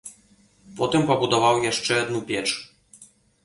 Потым пабудаваў яшчэ адну печ.